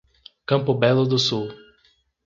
Campo Belo do Sul